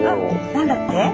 「何だって？」。